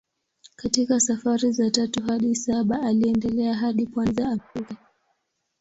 Katika safari za tatu hadi saba aliendelea hadi pwani za Afrika.